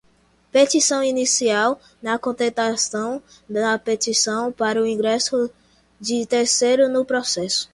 petição inicial, na contestação, na petição para ingresso de terceiro no processo